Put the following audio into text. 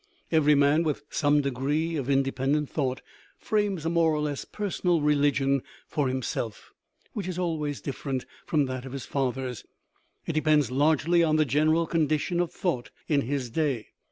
Every man with some degree of inde pendent thought frames a more or less personal religion for himself, which is always different from that of his fathers; it depends largely on the general condition of thought in his day.